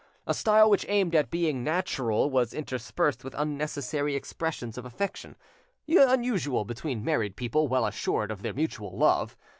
A style which aimed at being natural was interspersed with unnecessary expressions of affection, unusual between married people well assured of their mutual love.